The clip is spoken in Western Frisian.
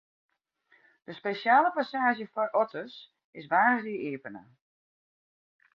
De spesjale passaazje foar otters is woansdei iepene.